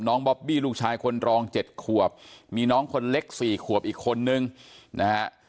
บอบบี้ลูกชายคนรอง๗ขวบมีน้องคนเล็ก๔ขวบอีกคนนึงนะฮะ